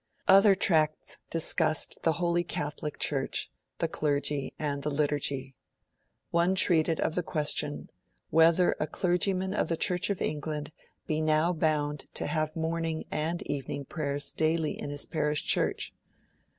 Other tracts discussed the Holy Catholic Church, the Clergy, and the Liturgy. One treated of the question 'whether a clergyman of the Church of England be now bound to have morning and evening prayers daily in his parish church?'